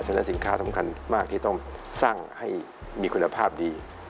ฉะนั้นสินค้าสำคัญมากที่ต้องสร้างให้มีคุณภาพดี